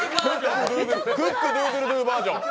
クックドゥードゥルドゥーバージョン。